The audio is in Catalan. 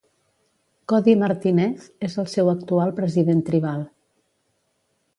Cody Martinez és el seu actual president tribal.